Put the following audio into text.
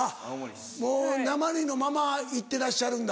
もうなまりのまま行ってらっしゃるんだ。